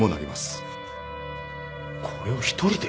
これを一人で？